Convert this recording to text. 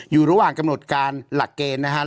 อยู่ระหว่างกำหนดการหลักเกณฑ์นะครับ